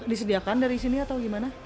disediakan dari sini atau gimana